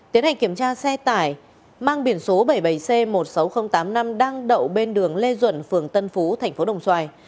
tiến hành kiểm tra xe tải mang biển số bảy mươi bảy c một mươi sáu nghìn tám mươi năm đang đậu bên đường lê duẩn phường tân phú tp đồng xoài